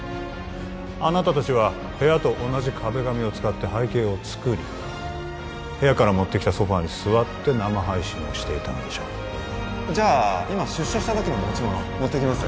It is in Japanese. あなたたちは部屋と同じ壁紙を使って背景を作り部屋から持ってきたソファに座って生配信をしていたのでしょうじゃあ今出所した時の持ち物持ってきます